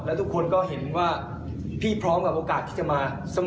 แล้วทุกคนก็เห็นว่าพี่พร้อมกับโอกาสที่จะมาเสมอ